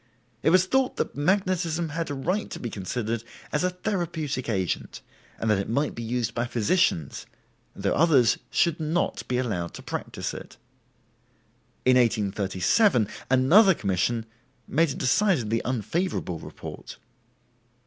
It was thought that magnetism had a right to be considered as a therapeutic agent, and that it might be used by physicians, though others should not be allowed to practice it. In 1837 another commission made a decidedly unfavorable report.